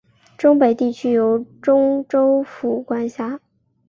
忠北地区由忠州府管辖。